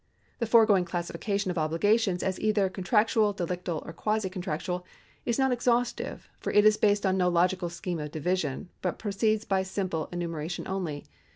The foregoing classification of obligations as either con tractual, delictal, or quasi contractual, is not exhaustive, for it is based on no logical scheme of division, but proceeds by simple enumeration only.